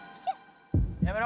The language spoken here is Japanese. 「やめろ！」